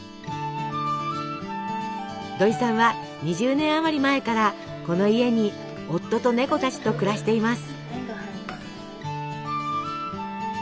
どいさんは２０年あまり前からこの家に夫とネコたちと暮らしています。